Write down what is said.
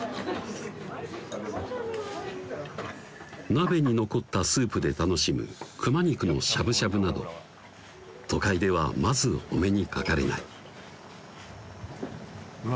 鍋に残ったスープで楽しむ熊肉のしゃぶしゃぶなど都会ではまずお目にかかれないうわ